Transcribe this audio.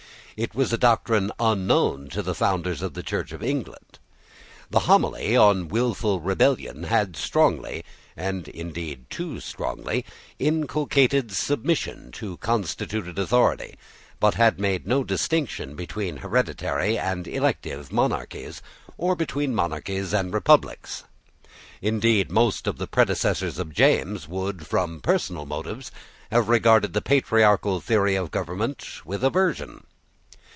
It was a doctrine unknown to the founders of the Church of England. The Homily on Wilful Rebellion had strongly, and indeed too strongly, inculcated submission to constituted authority, but had made no distinction between hereditary end elective monarchies, or between monarchies and republics. Indeed most of the predecessors of James would, from personal motives, have regarded the patriarchal theory of government with aversion.